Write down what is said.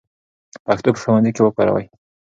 پښتو په ښوونځي کې وکاروئ.